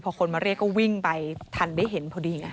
พอคนมาเรียกก็วิ่งไปทันได้เห็นพอดีไง